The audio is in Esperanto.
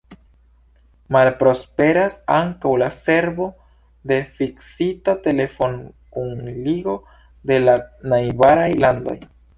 Malprosperas ankaŭ la servo de fiksita telefonkunligo de la najbaraj landoj.